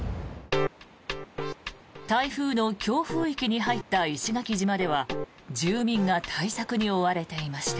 台風の強風域に入った石垣島では住民が対策に追われていました。